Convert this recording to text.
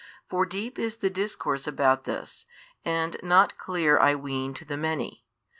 For deep is the discourse about this, and not clear I ween to the many.